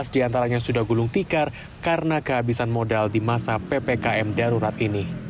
tiga belas diantaranya sudah gulung tikar karena kehabisan modal di masa ppkm darurat ini